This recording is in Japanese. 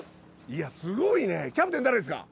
すごいねキャプテン誰ですか？